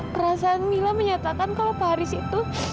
perasaan mila menyatakan kalau pak haris itu